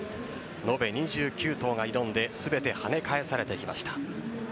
延べ２９頭が挑んで全てはね返されてきました。